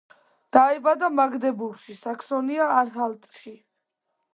დაიბადა მაგდებურგში, საქსონია-ანჰალტში.